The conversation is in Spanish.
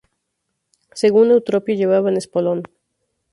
Según Eutropio llevaban espolón.